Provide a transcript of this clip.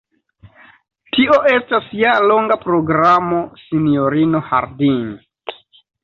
Tio estas ja longa programo, sinjorino Harding.